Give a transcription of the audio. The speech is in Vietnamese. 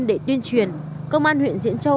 để tuyên truyền công an huyện diễn châu